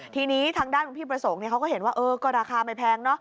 ทีนี้ทางด้านของพี่พระศงเขาก็เห็นว่าก็ราคายังไม่แพง